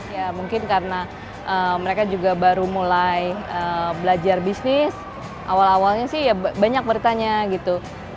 ya mungkin karena mereka juga baru mulai belajar bisnis awal awalnya sih ya banyak bertanya gitu